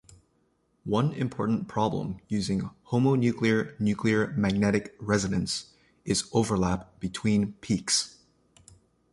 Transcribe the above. One important problem using homonuclear nuclear magnetic resonance is overlap between peaks.